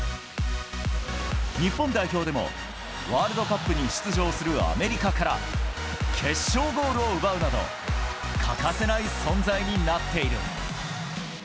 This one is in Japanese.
日本代表でもワールドカップに出場するアメリカから、決勝ゴールを奪うなど、欠かせない存在になっている。